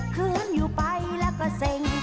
คืนอยู่ไปแล้วก็เซ็ง